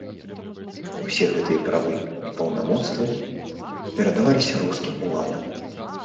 Усе гэтыя правы і паўнамоцтвы перадаваліся рускім уладам.